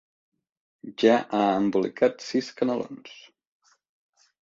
Ja ha embocat sis canelons.